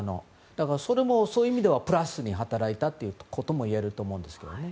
だから、そういう意味ではプラスに働いたともいえると思うんですけどね。